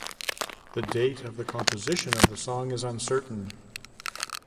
The date of the composition of the Song is uncertain.